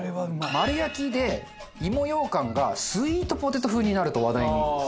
丸焼きでいもようかんがスイートポテト風になると話題に。